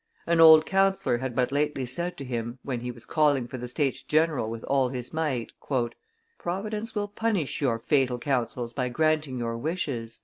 An old councillor had but lately said to him, when he was calling for the States general with all his might, "Providence will punish your fatal counsels by granting your wishes."